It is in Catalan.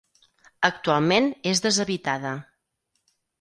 Actualment és deshabitada.